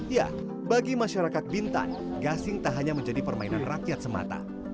ya bagi masyarakat bintan gasing tak hanya menjadi permainan rakyat semata